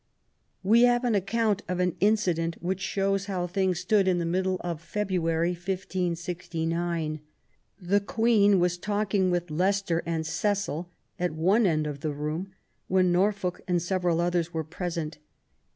We have an account of an incident which shows how things stood in the middle of February, 1569. The Queen was talking with Leicester and Cecil, at one end of the room, when Norfolk and several others were present.